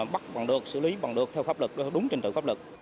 bắt bằng được xử lý bằng được theo pháp lực đúng trình tự pháp lực